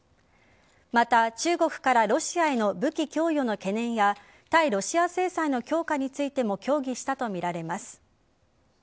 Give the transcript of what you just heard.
また、中国からロシアへの武器供与の懸念や対ロシア制裁の強化についても協議したとみられます。